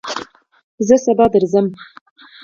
زه سبا درځم